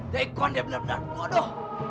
daya konde benar benar bodoh